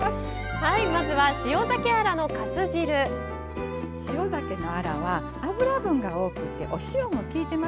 はいまずは塩ざけのアラは脂分が多くてお塩もきいてますよね。